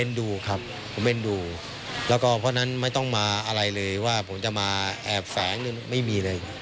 ดูครับผมเอ็นดูแล้วก็เพราะฉะนั้นไม่ต้องมาอะไรเลยว่าผมจะมาแอบแฝงไม่มีเลย